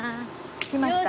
着きました。